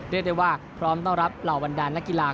เรียกได้ว่าพร้อมต้อนรับเหล่าบรรดานนักกีฬา